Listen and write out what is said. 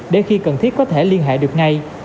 để khi cần thiết có thể liên hệ được ngay